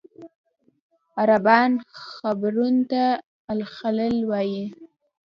عربان حبرون ته الخلیل وایي.